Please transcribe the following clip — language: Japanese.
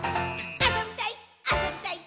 「あそびたいっ！！」